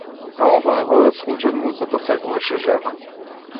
Само во неговиот случај музата секогаш е жена.